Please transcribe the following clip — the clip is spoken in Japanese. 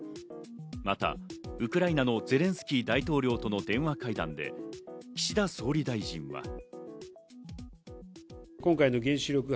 またウクライナのゼレンスキー大統領との電話会談で、岸田総理大臣は。